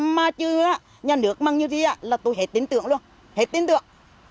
mà chứ nhà nước măng như gì là tôi hết tin tưởng luôn hết tin tưởng